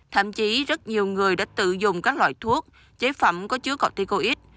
thậm chí rất nhiều người đã tự dùng các loại thuốc chế phẩm có chứa corticoid